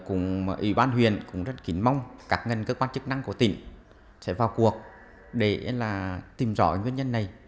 ủy ban huyện cũng rất kính mong các cơ quan chức năng của tỉnh sẽ vào cuộc để tìm rõ nguyên nhân này